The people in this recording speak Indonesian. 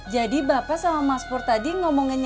jadi bapak sama mas pur tadi ngomonginnya